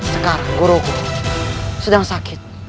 sekarang guruku sedang sakit